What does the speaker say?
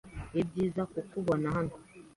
Ibyiza kukubona hano.